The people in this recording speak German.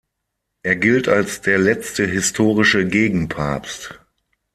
Er gilt als der letzte historische Gegenpapst.